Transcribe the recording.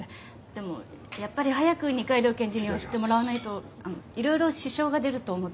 でもやっぱり早く二階堂検事には知ってもらわないといろいろ支障が出ると思って。